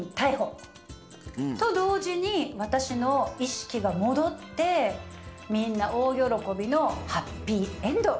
と同時に私の意識が戻ってみんな大喜びのハッピーエンド。